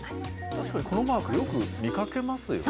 確かにこのマーク、よく見かけますよね。